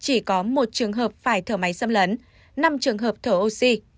chỉ có một trường hợp phải thở máy xâm lấn năm trường hợp thở oxy